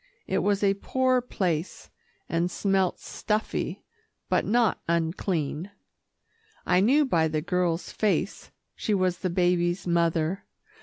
It was a poor place, and smelt stuffy, but not unclean. I knew by the girl's face she was the baby's mother.